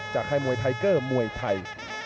จากไข่มวยไทเกอร์มวยไทย